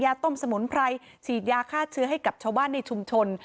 ต้มสมุนไพรฉีดยาฆ่าเชื้อให้กับชาวบ้านในชุมชน